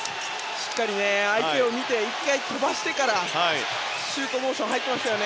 しっかり相手を見て１回、跳ばしてからシュートモーションに入っていましたよね。